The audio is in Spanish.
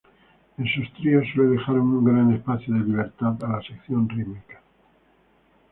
En sus tríos, suele dejar un gran espacio de libertad a la sección rítmica.